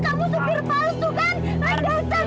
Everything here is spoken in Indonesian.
kamu supir palsu kan